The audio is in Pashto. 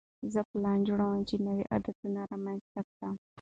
زه پلان جوړوم چې نوی عادت رامنځته کړم.